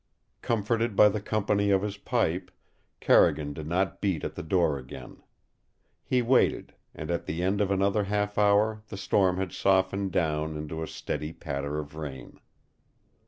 Comforted by the company of his pipe, Carrigan did not beat at the door again. He waited, and at the end of another half hour the storm had softened down into a steady patter of rain.